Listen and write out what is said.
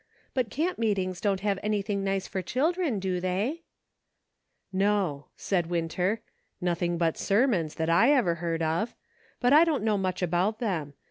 But camp mxcet ings don't have anything nice for children, do they .?"" No," said Winter ; "nothing but sermons, that I ever heard of. But I don't know much about them.